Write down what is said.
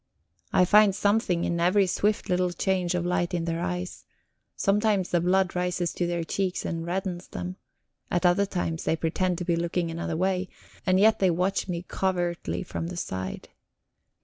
I find something in every swift little change of light in their eyes; sometimes the blood rises to their cheeks and reddens them; at other times they pretend to be looking another way, and yet they watch me covertly from the side.